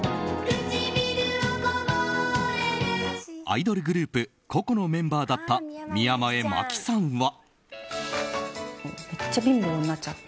アイドルグループＣｏＣｏのメンバーだった宮前真樹さんは。